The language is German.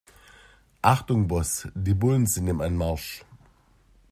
Achtung Boss, die Bullen sind im Anmarsch.